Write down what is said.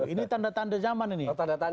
ini tanda tanda zaman ini